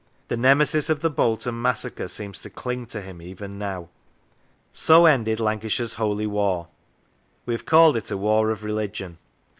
The Nemesis of the Bolt on massacre seems to cling to him even now. So ended Lancashire's Holy War. We have called it a War of Religion.